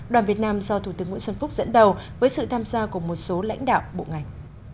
đoàn việt nam do thủ tướng nguyễn xuân phúc dẫn đầu với sự tham gia của một số lãnh đạo bộ ngành